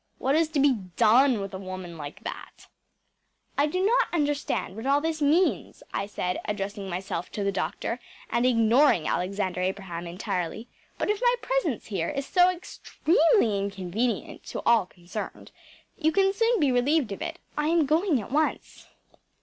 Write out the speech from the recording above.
What is to be done with a woman like that?‚ÄĚ “I do not understand what all this means,‚ÄĚ I said addressing myself to the doctor and ignoring Alexander Abraham entirely, “but if my presence here is so extremely inconvenient to all concerned, you can soon be relieved of it. I am going at once.